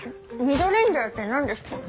ミドレンジャーってなんですか？